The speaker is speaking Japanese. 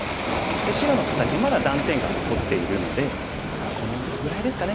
で白の形まだ断点が残っているのでこのぐらいですかね。